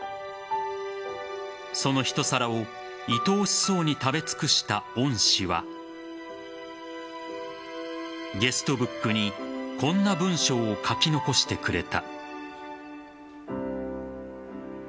そのひと皿をいとおしそうに食べ尽くした恩師はゲストブックにこんな文章を書き残してくれた。